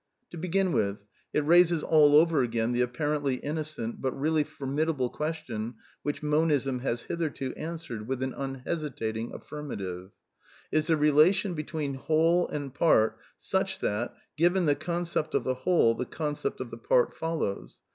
To begin with, it raises all over again the apparently inaogent but reaBy formidable question which Monism .^ has hitherto answered with an unhesitating aflSrmative: Q q Is the relation between whole and part such that, given the ^ concept of the whole, the concept of the part follows?